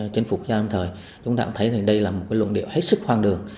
chúng ta cũng thấy đây là một cái luận điệu hết sức hoang đường